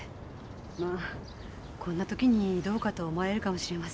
まあこんな時にどうかと思われるかもしれませんが。